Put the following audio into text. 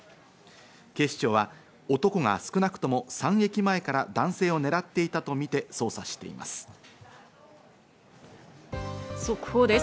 警視庁は男が少なくとも３駅前から男性を狙っていたとみて捜査しています。